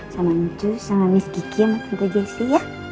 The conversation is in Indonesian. sama ncu sama miss gigi sama tante jessy ya